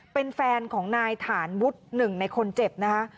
เป็นแฟนของนายฐานวุฒิหนึ่งในคนเจ็บนะคะ